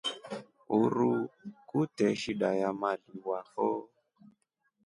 Uruu kute shida ya maliwa fo.